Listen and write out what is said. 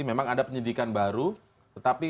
memang ada penyidikan baru tetapi